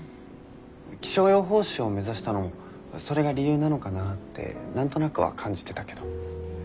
気象予報士を目指したのもそれが理由なのかなって何となくは感じてたけど。